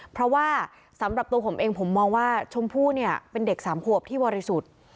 เพราะว่าสำหรับตัวผมเองผมมองว่าชมพู่เนี่ยเป็นเด็กสามขวบที่บริสุทธิ์